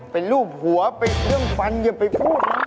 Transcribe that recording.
เป็นรูปหัวเป็นเครื่องฟันอย่าไปพูดนะ